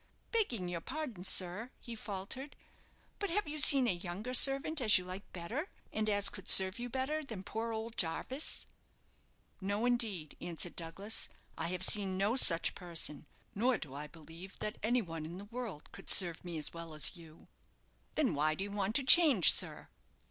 "Begging your pardon, sir," he faltered; "but have you seen a younger servant as you like better and as could serve you better, than poor old Jarvis?" "No, indeed," answered Douglas, "I have seen no such person. Nor do I believe that any one in the world could serve me as well as you." "Then why do you want to change, sir?"